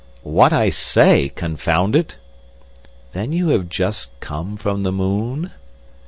"What I say, confound it!" "Then you have just come from the moon?"